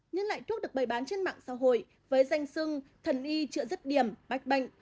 những loại thuốc được bày bán trên mạng xã hội với danh sưng thần y chữa rứt điểm bách bệnh